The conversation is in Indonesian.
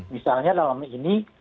misalnya dalam ini